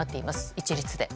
一律で。